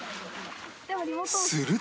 すると